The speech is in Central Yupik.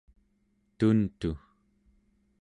tuntu